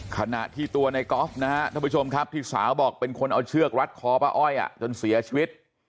ขณะที่ตัวในกอล์ฟนะฮะท่านผู้ชมครับที่สาวบอกเป็นคนเอาเชือกรัดคอป้าอ้อยจนเสียชีวิต